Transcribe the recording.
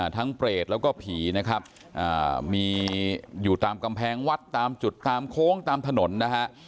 เปรตแล้วก็ผีนะครับมีอยู่ตามกำแพงวัดตามจุดตามโค้งตามถนนนะฮะ